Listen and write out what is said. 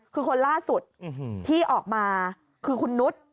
คือคนล่าสุดที่ออกมาคือคุณนุษย์